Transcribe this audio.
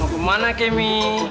mau kemana kemi